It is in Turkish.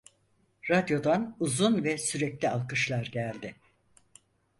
Radyodan uzun ve sürekli alkışlar geldi.